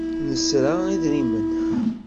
Nesra idrimen.